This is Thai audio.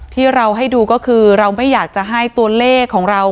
ที่เราให้ดูก็คือเราไม่อยากจะให้ตัวเลขของเรา